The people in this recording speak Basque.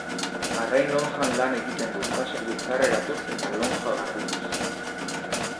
Arrain lonjan lan egiten du kaxak bizkarreratuz eta lonja garbituz.